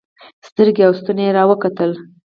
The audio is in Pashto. سترګې او ستونى يې راوکتل.